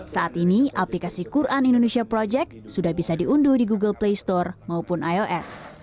saat ini aplikasi quran indonesia project sudah bisa diunduh di google play store maupun ios